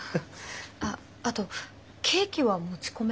あっあとケーキは持ち込めますか？